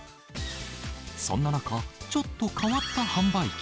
そんな中、ちょっと変わった販売機。